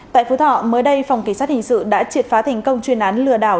tại phú thọ mới đây phòng kỳ sát hình sự đã triệt phá thành công chuyên án lừa đảo